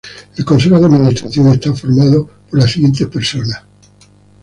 El consejo de administración está formado por las siguientes personas: Mr.